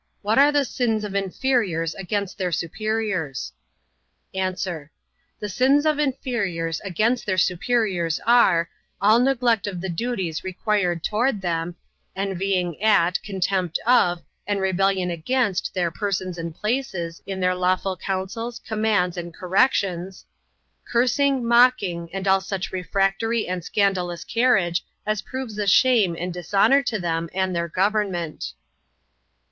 What are the sins of inferiors against their superiors? A. The sins of inferiors against their superiors are, all neglect of the duties required toward them; envying at, contempt of, and rebellion against their persons and places, in their lawful counsels, commands, and corrections; cursing, mocking, and all such refractory and scandalous carriage, as proves a shame and dishonor to them and their government.